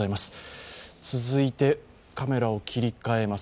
続いて、カメラを切り替えます。